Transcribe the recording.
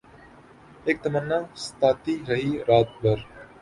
اک تمنا ستاتی رہی رات بھر